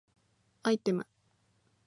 アイテム